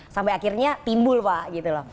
sampai akhirnya timbul pak